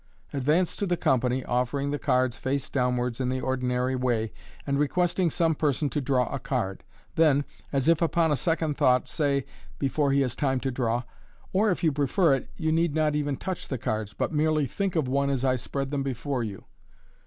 Advance to the company, offering the cards face downwards in the ordinary way, and requesting some person to draw a card. Then, as if upon a second thought, say, before he has time to draw, " Or, if you prefer it, you need not even touch the cards, but merely think of one as I spread them before you.